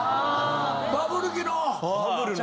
バブル期の。